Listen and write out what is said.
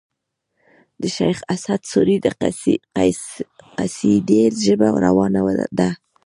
د شېخ اسعد سوري د قصيدې ژبه روانه ده.